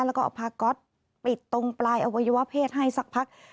แล้วก็เอาพาก๊อตปิดตรงปลายอวัยวะเพศให้สักพัก